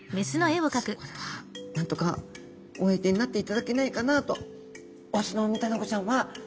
これはなんとかお相手になっていただけないかなと。